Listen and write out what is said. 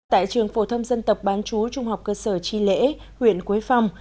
tại trường phổ thâm dân tập ban chúa trung học cơ sở chi lễ huyện quế phong